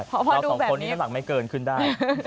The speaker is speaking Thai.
พอพอดูแบบนี้เราสองคนนี้ต้องหลักไม่เกินขึ้นได้